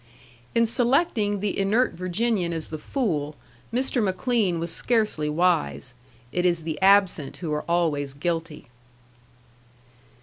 In selecting the inert Virginian as the fool, Mr. McLean was scarcely wise; it is the absent who are always guilty.